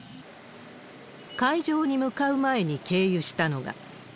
会場に向かう前に経由したのが。